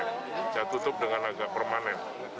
saya tutup dengan agak permanen